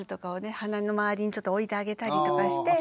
鼻の周りにちょっと置いてあげたりとかして。